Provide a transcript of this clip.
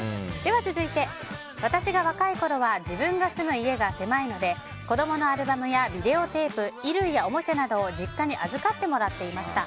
続いて、私が若いころは自分が住む家が狭いので子供のアルバムやビデオテープ衣類やおもちゃなどを実家に預かってもらっていました。